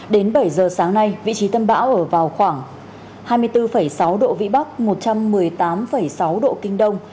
đến bảy giờ sáng nay vị trí tâm bão ở vào khoảng hai mươi bốn sáu độ vĩ bắc một trăm một mươi tám sáu độ kinh đông